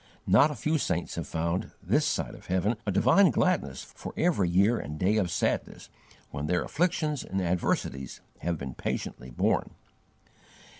Not a few saints have found, this side of heaven, a divine gladness for every year and day of sadness, when their afflictions and adversities have been patiently borne.